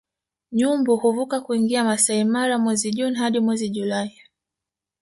Nyumbu huvuka kuingia Maasai Mara mwezi Juni hadi mwezi Julai